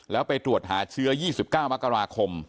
แล้วไปตรวจหาเชื้อ๒๙มกราคม